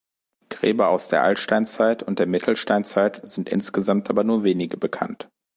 Gräber aus der Altsteinzeit und der Mittelsteinzeit sind insgesamt aber nur wenige bekannt.